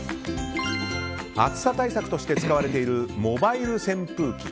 暑さ対策として使われているモバイル扇風機。